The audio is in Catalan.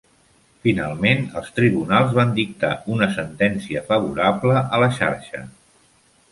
Finalment els tribunals van dictar una sentència favorable a la xarxa.